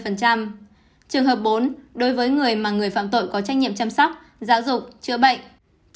trường hợp bốn đối với người mà người phạm tội có trách nhiệm chăm sóc giáo dục chữa bệnh